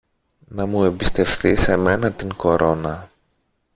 να μου εμπιστευθείς εμένα την κορώνα